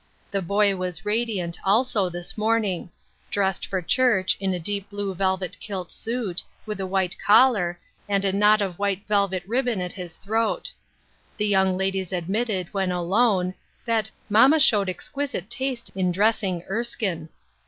The boy was radiant, also, this morning ; dressed for church, in a deep blue velvet kilt suit, with a white collar, and a knot of white velvet ribbon at his throat. The young ladies admitted, when alone, that " mamma showed exquisite taste in dressing Erskine."